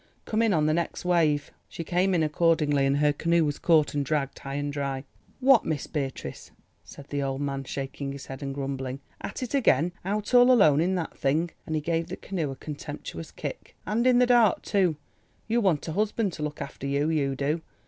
"Come in on the next wave." She came in accordingly and her canoe was caught and dragged high and dry. "What, Miss Beatrice," said the old man shaking his head and grumbling, "at it again! Out all alone in that thing," and he gave the canoe a contemptuous kick, "and in the dark, too. You want a husband to look after you, you do.